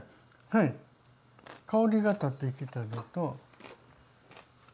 はい香りが立ってきたのと。